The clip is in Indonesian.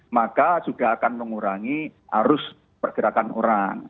maka sudah akan mengurangi arus pergerakan orang